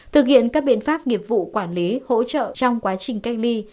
thực hiện các biện pháp nghiệp vụ quản lý hỗ trợ trong quá trình cách ly